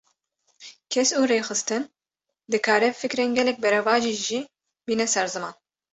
Kes û rêxistin, dikare fikrên gelek beravajî jî bîne ser ziman